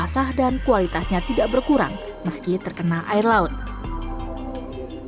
lalu kita akan melihat tempat bangkai kapal perang amerika serikat usns general hodge s vandenberg